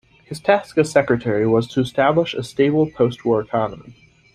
His task as Secretary was to establish a stable postwar economy.